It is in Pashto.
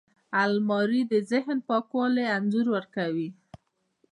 الماري د ذهن پاکوالي انځور ورکوي